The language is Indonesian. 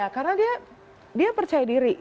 karena dia percaya diri